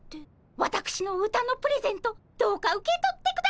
わたくしの歌のプレゼントどうか受け取ってくださいませ。